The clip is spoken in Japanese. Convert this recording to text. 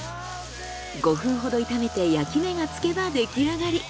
５分ほど炒めて焼きめがつけば出来上がり。